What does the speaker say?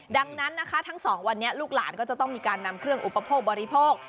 ดังนั้นนะคะทั้งสองวันนี้ลูกหลานก็จะต้องมีการนำเครื่องอุปโภคบริโภค